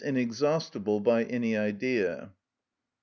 _, inexhaustible by any idea.